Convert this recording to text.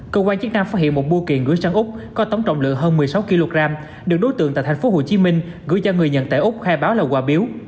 cơ quan chức năng phát hiện một bu kiện gửi sang úc có tổng trọng lượng hơn một mươi sáu kg được đối tượng tại tp hcm gửi cho người nhận tại úc khai báo là quà biếu